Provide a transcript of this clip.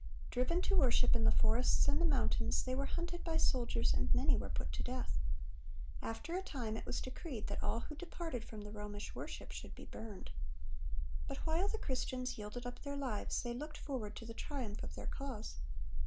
Driven to worship in the forests and the mountains, they were hunted by soldiers, and many were put to death. After a time it was decreed that all who departed from the Romish worship should be burned. But while the Christians yielded up their lives, they looked forward to the triumph of their cause.